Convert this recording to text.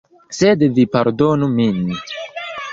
Sed vi pardonu min.